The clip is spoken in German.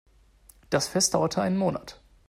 Das Fest dauerte einen Monat.